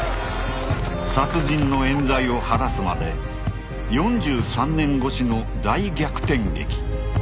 殺人のえん罪を晴らすまで４３年越しの大逆転劇。